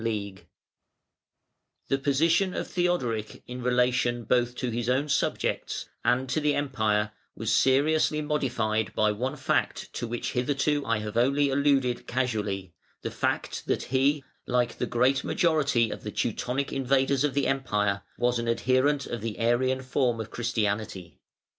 The position of Theodoric in relation both to his own subjects and to the Empire was seriously modified by one fact to which hitherto I have only alluded casually, the fact that he, like the great majority of the Teutonic invaders of the Empire, was an adherent of the Arian form of Christianity.